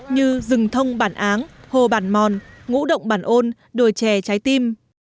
như rừng thông bản áng hồ bản mòn ngũ động bản ôn đồi trè trái tim